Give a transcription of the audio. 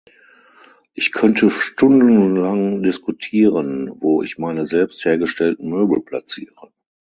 Ich könnte stundenlang diskutieren, wo ich meine selbst hergestellten Möbel platziere.